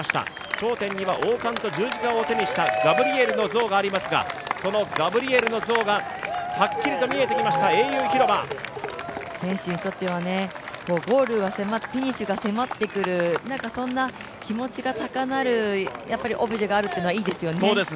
頂点には王冠と十字架を手にしたガブリエルの像がありますが、そのガブリエルの像がはっきりと見えてきました選手にとっては、フィニッシュが迫ってくる、そんな気持ちが高鳴るオブジェがあるっていうのはいいですよね。